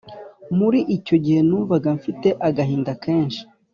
muri icyo gihe numvaga mfite agahinda kenshi